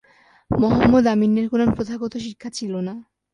মহম্মদ আমিনের কোনো প্রথাগত শিক্ষা ছিল না।